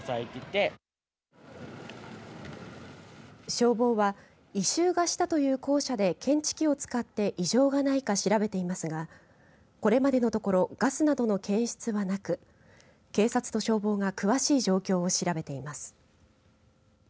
消防は異臭がしたという校舎で検知器を使って異常がないか調べていますがこれまでのところガスなどの検出はなく警察と消防が詳しい状況を調べています。